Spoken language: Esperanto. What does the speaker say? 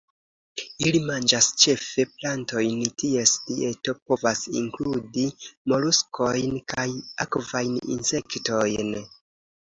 Ili manĝas ĉefe plantojn; ties dieto povas inkludi moluskojn kaj akvajn insektojn.